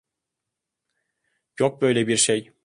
Yok böyle bir şey.